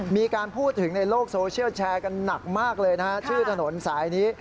มีการพูดถึงในโลกโซเชียลแชร์กันหนักมากเลยนะฮะชื่อถนนสายนี้